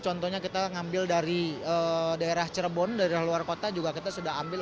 contohnya kita ngambil dari daerah cirebon dari luar kota juga kita sudah ambil